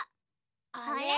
あれ？